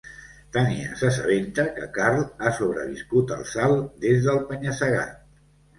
Tanya s'assabenta que Karl ha sobreviscut al salt des del penya-segat.